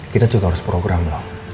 kita juga harus program dong